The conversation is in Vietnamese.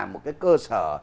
một cái cơ sở